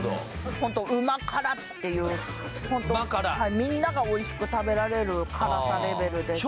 ホント旨辛っていう旨辛はいみんながおいしく食べられる辛さレベルですあ